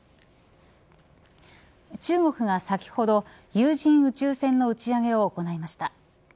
中国が先ほど有人宇宙船の打ち上げを行いました。